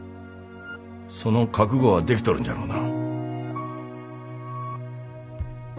その覚悟はできとるんじゃろうな？